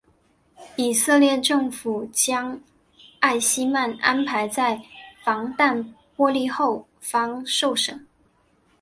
以色列政府将艾希曼安排在防弹玻璃后方受审。